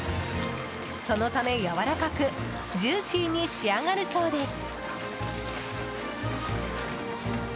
そのため、やわらかくジューシーに仕上がるそうです。